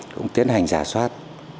cũng tiến hành giả soát